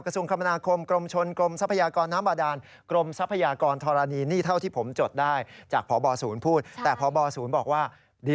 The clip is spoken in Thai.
กระทรวงคำนาคมกระทรวงชนกรมทรัพยากรน้ำบาดาล